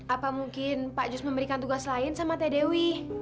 apa mungkin pak jus memberikan tugas lain sama teh dewi